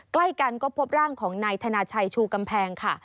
ใกล้กันก็พบร่างของนายธนาชัยชูกำแพงค่ะ